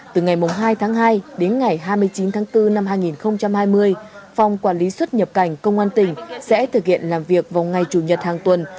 từ ngày hai tháng hai đến ngày hai mươi chín tháng bốn năm hai nghìn hai mươi phòng quản lý xuất nhập cảnh công an tỉnh sẽ thực hiện làm việc vào ngày chủ nhật hàng tuần